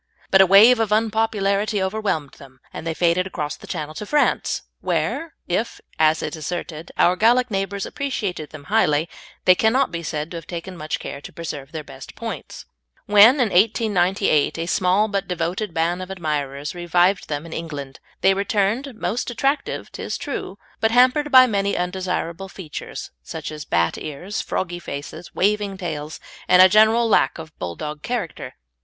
But a wave of unpopularity overwhelmed them, and they faded across the Channel to France, where, if, as is asserted, our Gallic neighbours appreciated them highly, they cannot be said to have taken much care to preserve their best points. When, in 1898, a small but devoted band of admirers revived them in England, they returned most attractive, 'tis true, but hampered by many undesirable features, such as bat ears, froggy faces, waving tails, and a general lack of Bulldog character.